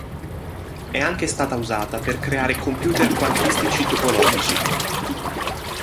È anche stata usata per creare computer quantistici topologici.